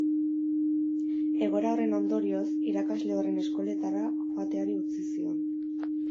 Egoera horren ondorioz, irakasle horren eskoletara joateari utzi zion.